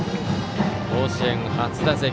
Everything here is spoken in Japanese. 甲子園初打席